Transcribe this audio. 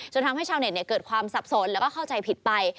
ทำให้ชาวเน็ตเกิดความสับสนแล้วก็เข้าใจผิดไป